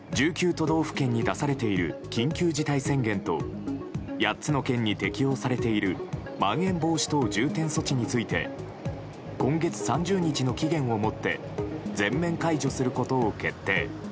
都道府県に出されている緊急事態宣言と８つの県に適用されているまん延防止等重点措置について今月３０日の期限をもって全面解除することを決定。